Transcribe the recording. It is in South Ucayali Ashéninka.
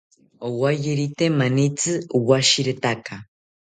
Owayerite manitzi owashiretaka